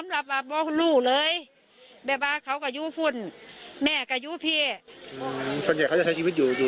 ส่วนใหญ่เขาจะใช้ชีวิตอยู่อยู่